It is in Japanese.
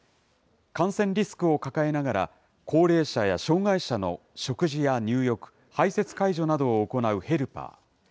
感染リスクを抱えながら、高齢者や障害者の食事や入浴、排せつ介助などを行うヘルパー。